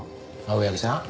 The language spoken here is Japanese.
青柳さん